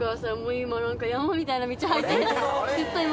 今何か山みたいな道入って。